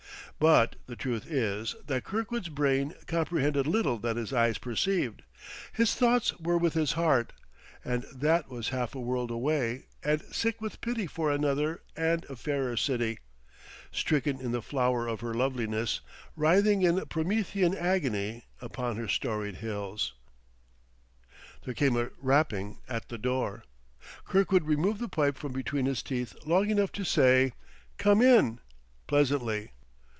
But the truth is that Kirkwood's brain comprehended little that his eyes perceived; his thoughts were with his heart, and that was half a world away and sick with pity for another and a fairer city, stricken in the flower of her loveliness, writhing in Promethean agony upon her storied hills. There came a rapping at the door. Kirkwood removed the pipe from between his teeth long enough to say "Come in!" pleasantly.